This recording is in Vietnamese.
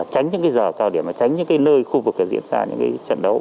tránh những giờ cao điểm và tránh những nơi khu vực diễn ra những trận đấu